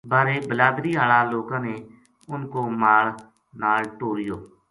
بارے بلادری ہالا لوکاں نے انھ کو مال نال ٹوریو